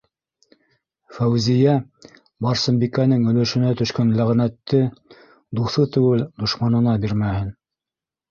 Фәүзиә-Барсынбикәнең өлөшөнә төшкән ләғнәтте дуҫы түгел, дошманына бирмәһен...